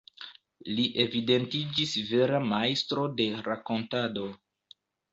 Li evidentiĝis vera majstro de rakontado.